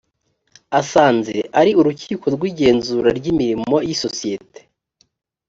asanze ari urukiko rw’igenzura ry’imirimo y’isosiyete